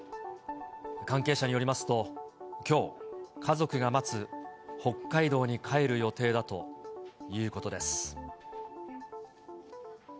関係者によりますと、きょう、家族が待つ北海道に帰る予定だということです。